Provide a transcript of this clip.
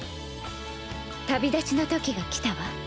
旅立ちのときが来たわ。